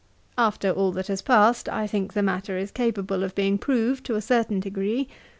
After all that has passed, I think the matter is capable of being proved to a certain degree.